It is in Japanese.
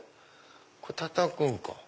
これたたくんか。